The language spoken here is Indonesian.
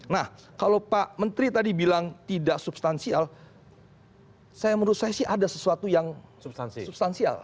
nah kalau pak menteri tadi bilang tidak substansial saya menurut saya sih ada sesuatu yang substansial